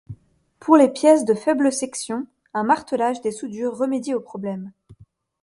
Pour les pièces de faibles sections, un martelage des soudures remédie au problème.